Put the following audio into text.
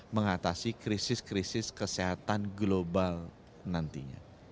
mengatasi krisis krisis kesehatan global nantinya